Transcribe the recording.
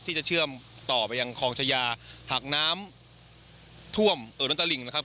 ที่จะเชื่อมต่อไปยังคลองชายาหากน้ำท่วมเอ่อล้นตะหลิ่งนะครับ